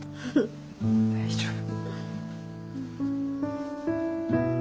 大丈夫。